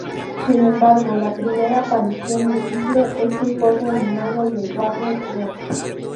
Sin embargo, la primera aparición de Hitler en un corto animado de Warner Bros.